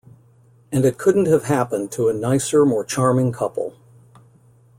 And it couldn't have happened to a nicer, more charming couple.